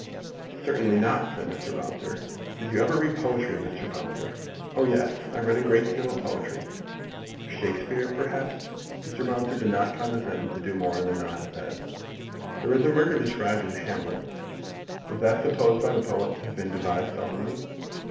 "Certainly not," said Mr. Bouncer. "Did you ever read poetry, Mr. Bouncer?" "Oh yes; I read a great deal of poetry." "Shakespeare, perhaps?" Mr. Bouncer did not condescend to do more than nod his head. "There is a murder described in Hamlet. Was that supposed by the poet to have been devised suddenly?"